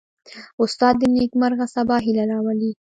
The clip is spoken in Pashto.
استاد د نیکمرغه سبا هیله راولي.